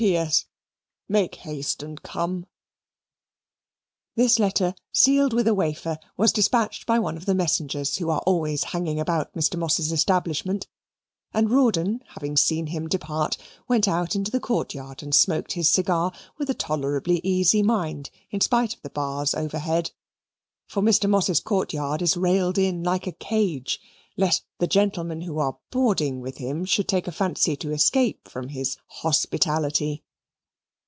C. P.S. Make haste and come. This letter, sealed with a wafer, was dispatched by one of the messengers who are always hanging about Mr. Moss's establishment, and Rawdon, having seen him depart, went out in the court yard and smoked his cigar with a tolerably easy mind in spite of the bars overhead for Mr. Moss's court yard is railed in like a cage, lest the gentlemen who are boarding with him should take a fancy to escape from his hospitality.